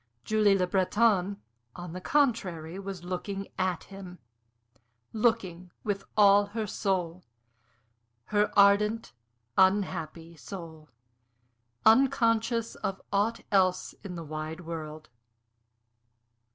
Julie Le Breton, on the contrary, was looking at him looking with all her soul, her ardent, unhappy soul unconscious of aught else in the wide world.